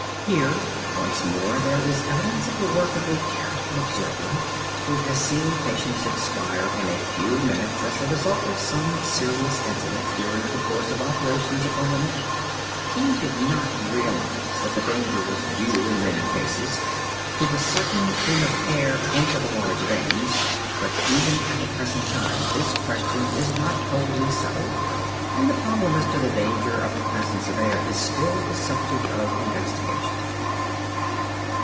Here once more there is evidence of the work of a careful observer who has seen patients expire in a few minutes as the result of some serious incident during the course of operations upon the neck. He did not realize that the danger was due, in many cases, to the sucking in of air into the large veins, but even at the present time this question is not wholly settled and the problem as to the danger of the presence of air is still the subject of investigation.